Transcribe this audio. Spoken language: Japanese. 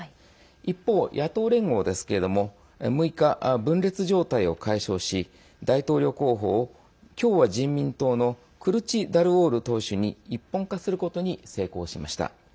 一方、野党連合ですけれども６日、分裂状態を解消し大統領候補を共和人民党のクルチダルオール党首に一本化することに成功しました。